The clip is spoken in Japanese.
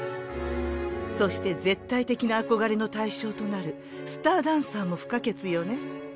そして絶対的な憧れの対象となるスターダンサーも不可欠よね。